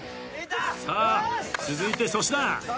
さあ続いて粗品。